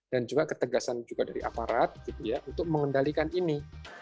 dan juga ketegasan juga dari aparat untuk mengendalikan ini